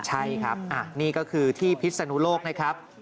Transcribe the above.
ใช่ครับนี่ก็คือที่พิศนุโลกนะครับ